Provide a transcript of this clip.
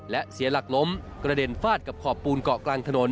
และเสียหลักล้มกระเด็นฟาดกับขอบปูนเกาะกลางถนน